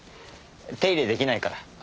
手入れ出来ないから。